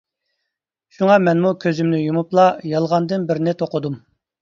شۇڭا مەنمۇ كۈزۈمنى يۇمۇپلا يالغاندىن بىرنى توقۇدۇم.